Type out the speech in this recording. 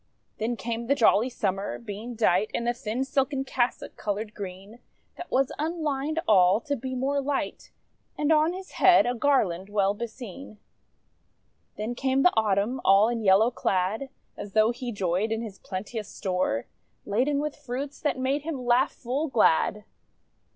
Then came the Jolly Summer, being dight In a thin silken cassock, coloured green, That was unlined all, to be more light: And on his head a garland well beseen. Then came the Autumn, all in yellow clad As though he joyed in his plenteous store, Laden with fruits that made him laugh full glad.